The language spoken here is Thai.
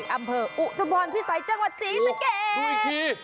อำเภออุตมภรณ์พิสัยจังหวัดสีสะเกด